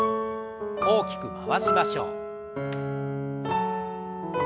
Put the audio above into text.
大きく回しましょう。